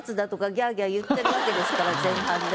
ギャーギャー言ってるわけですから前半で。